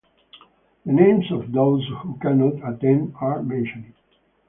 The names of those who cannot attend are mentioned.